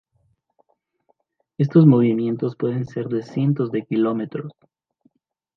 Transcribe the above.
Estos movimientos pueden ser de cientos de kilómetros.